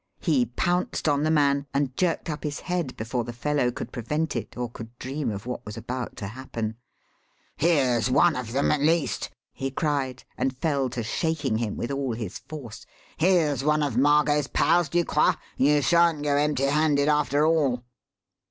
He pounced on the man and jerked up his head before the fellow could prevent it or could dream of what was about to happen. "Here's one of them at least!" he cried, and fell to shaking him with all his force. "Here's one of Margot's pals, Ducroix. You shan't go empty handed after all."